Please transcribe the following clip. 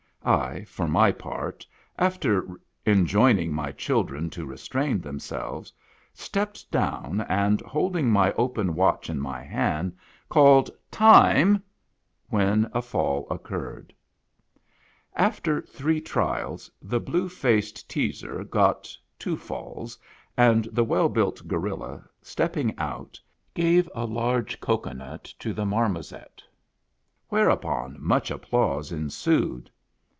I for my part, after enjoining my children to restrain themselves, stepped down, and, holding my open watch in my hand, called " Time !" when a fall occurred. After three trials, the Blue Faced Teazer got two falls, and the well built gorilla, stepping out, gave a large cocoanut to the .Marmoset, whereupon much apphuse ensued.